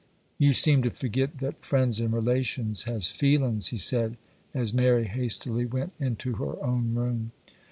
'You seem to forget that friends and relations has feelin's,' he said, as Mary hastily went into her own room.